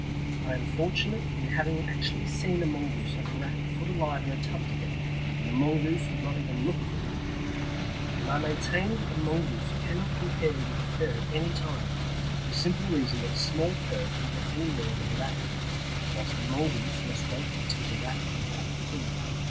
I am fortunate in having actually seen a mongoose and a Rat put alive in a tub together, and the mongoose would not even look at the Rat. And I maintain that the mongoose cannot compare with the ferret anytime, for the simple reason that a small ferret can get anywhere that a Rat can, whilst the mongoose must wait until the Rat comes out to feed.